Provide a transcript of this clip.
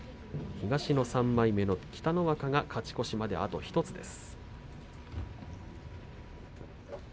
東の３枚目の北の若が勝ち越しまであと１つです。